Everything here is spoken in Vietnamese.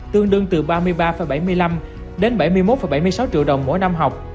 tương đương từ ba mươi ba bảy mươi năm đến bảy mươi một bảy mươi sáu triệu đồng mỗi năm học